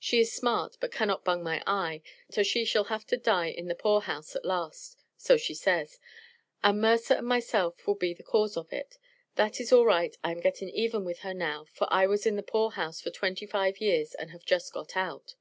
She is smart, but cannot bung my eye, so she shall have to die in the poor house at last, so she says, and Mercer and myself will be the cause of it. That is all right. I am getting even with her now for I was in the poor house for twenty five years and have just got out.